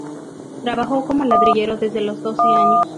Trabajó como ladrillero desde los doce años.